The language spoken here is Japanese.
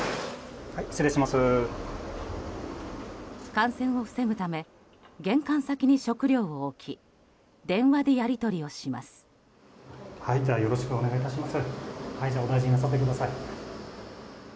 感染を防ぐため玄関先に食料を置き電話でやり取りをします。